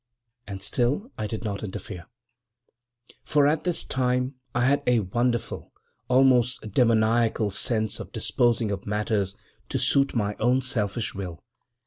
And still I did not interfere. < 7 > For at this time I had a wonderful, almost demoniacal sense of disposing of matters to suit my own selfish will.